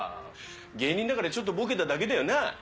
芸人だからちょっとボケただけだよな。